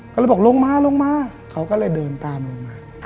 ก็เลยบอกลงมาลงมาเขาก็เลยเดินตามลงมา